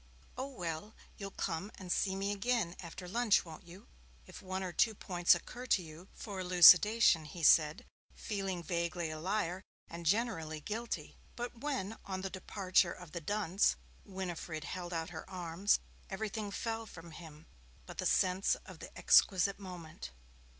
'Oh, well, you'll come and see me again after lunch, won't you, if one or two points occur to you for elucidation,' he said, feeling vaguely a liar, and generally guilty. But when, on the departure of the dunce, Winifred held out her arms, everything fell from him but the sense of the exquisite moment.